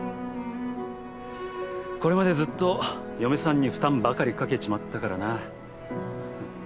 これまでずっと嫁さんに負担ばかりかけちまったからな。